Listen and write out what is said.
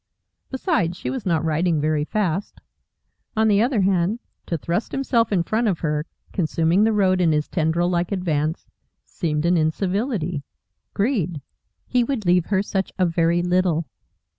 Besides, she was not riding very fast. On the other hand, to thrust himself in front of her, consuming the road in his tendril like advance, seemed an incivility greed. He would leave her such a very little.